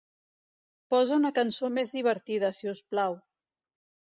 Posa una cançó més divertida, si us plau.